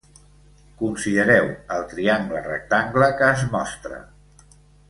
Considereu el triangle rectangle que es mostra.